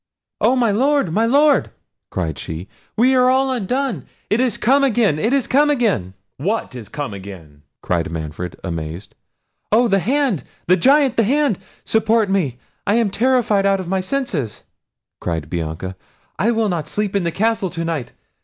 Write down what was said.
"Oh! my Lord, my Lord!" cried she; "we are all undone! it is come again! it is come again!" "What is come again?" cried Manfred amazed. "Oh! the hand! the Giant! the hand!—support me! I am terrified out of my senses," cried Bianca. "I will not sleep in the castle to night.